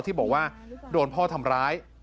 ที่บอกว่าโดนพ่อทำร้าย